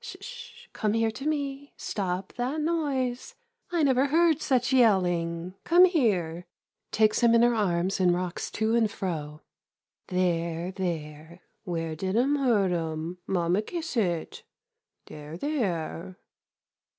Sh sh — come here to me. Stop that noise — I never heard such yell ing. Come here! [Takes him in her arms, and rocks to and fro.] There — there — where did um hurt um? Mamma kiss it — there — there.